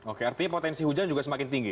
oke artinya potensi hujan juga semakin tinggi